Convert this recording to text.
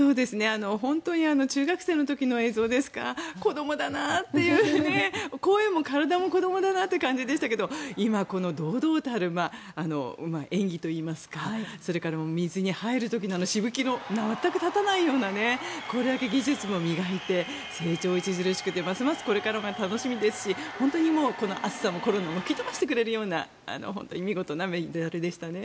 本当に中学生の時の映像ですか子どもだなっていう声も体も子どもだなっていう感じでしたけど、今はこの堂々たる演技といいますかそれから水に入る時のあのしぶきの全く立たないようなこれだけ技術も磨いて成長著しくてますますこれからが楽しみですし本当に暑さもコロナも吹き飛ばしてくれるような見事なメダルでしたね。